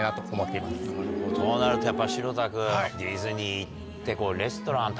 そうなるとやっぱ城田君ディズニー行って。